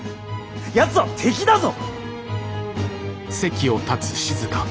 やつは敵だぞ！